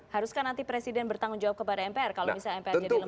haruskah nanti presiden bertanggung jawab kepada mpr kalau misalnya mpr jadi lembaga